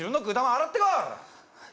洗ってこい！